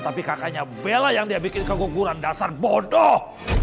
tapi kakaknya bela yang dia bikin keguguran dasar bodoh